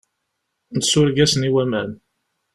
Nsureg-asen i waman.